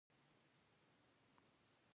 چنګلونه د افغانستان د فرهنګي فستیوالونو برخه ده.